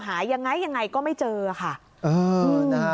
หายังไงก็ไม่เจอค่ะ